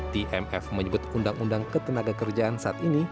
tmf menyebut undang undang ketenaga kerjaan saat ini